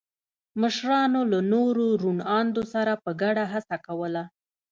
مشرانو له نورو روڼ اندو سره په ګډه هڅه کوله.